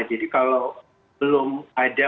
jadi kalau belum ada